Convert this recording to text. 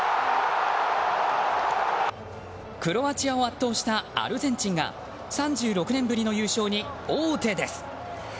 クロアチアを圧倒したアルゼンチンが３６年ぶりの優勝に王手です。